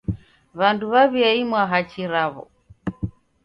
W'andu w'aw'iaimwa hachi raw'o.